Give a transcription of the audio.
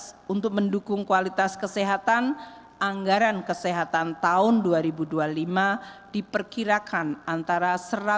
satgas untuk mendukung kualitas kesehatan anggaran kesehatan tahun dua ribu dua puluh lima diperkirakan antara seratus